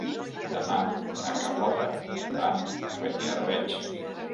Demà na Carlota va a Beniarbeig.